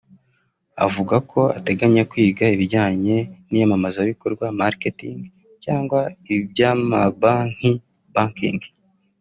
Avuga ko ateganya kwiga ibijyanye n’iyamamazabikorwa (Marketing) cyangwa iby’amabanki (Banking)